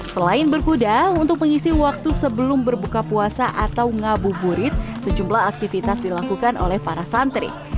selain berkuda untuk mengisi waktu sebelum berbuka puasa atau ngabuburit sejumlah aktivitas dilakukan oleh para santri